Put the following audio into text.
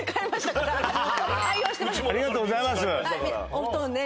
お布団ね。